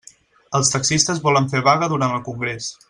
Els taxistes volen fer vaga durant el congrés.